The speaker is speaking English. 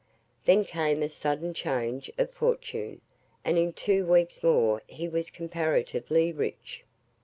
Then came a sudden change of fortune, and in two weeks more he was comparatively rich.